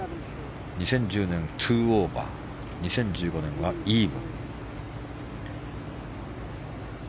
２０１０年、２オーバー２０１５年はイーブン。